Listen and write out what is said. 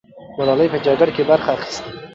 ملالۍ په جګړه کې برخه اخیستې.